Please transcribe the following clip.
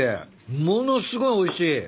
ものすごいおいしい。